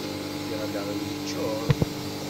Ufiɣ allaɣ-is yeččur.